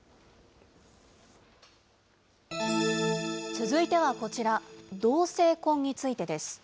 続いてはこちら、同性婚についてです。